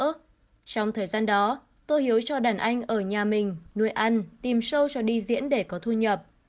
trong thời gian đó tôi hiếu cho đàn anh ở nhà mình nuôi ăn tìm sâu cho đi diễn để có thu nhập